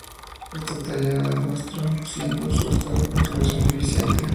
Está tallado en alabastro siendo su estado de conservación deficiente.